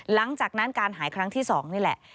หลังจากนั้นการหายครั้งที่๒นี่แหละ